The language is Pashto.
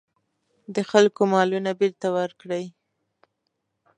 د خلکو مالونه بېرته ورکړي.